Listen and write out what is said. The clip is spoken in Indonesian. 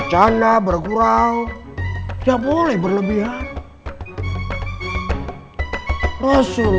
kalau dia udah selesai rumah interessasi